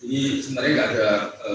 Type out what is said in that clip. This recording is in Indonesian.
ini sebenarnya gak ada